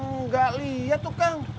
nggak lihat tuh kang